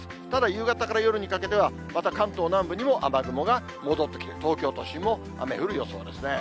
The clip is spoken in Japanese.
夕方から夜にかけては関東南部も雨雲が戻ってきて、東京都心も雨降る予想ですね。